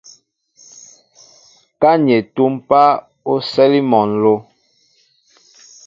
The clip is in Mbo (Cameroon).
Ka ni etúm páá, o sɛli mol nló.